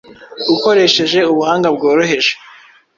ukoresheje ubuhanga bworoheje.